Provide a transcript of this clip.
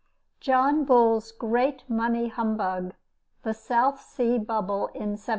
JOHN BULL'S GREAT MONEY HUMBUG. THE SOUTH SEA BUBBLE IN 1720.